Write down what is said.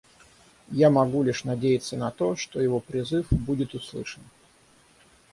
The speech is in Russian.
Я могу лишь надеяться на то, что его призыв будет услышан.